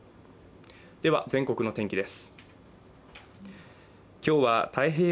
全国の天気です。